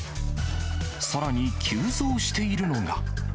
さらに、急増しているのが。